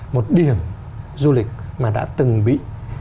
một điểm du lịch mà đã từng bị